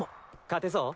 勝てそう？